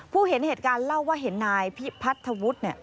ผู้เห็นเหตุการณ์เล่าว่าเห็นนายพี่พัทธวุฒิเนี่ย